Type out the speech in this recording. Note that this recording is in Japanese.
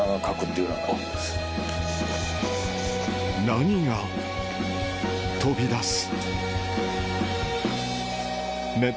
何が飛び出す？